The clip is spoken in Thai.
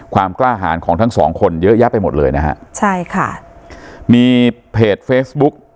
ความกล้าหารของทั้งสองคนเยอะแยะไปหมดเลยนะฮะใช่ค่ะมีเพจเฟซบุ๊ก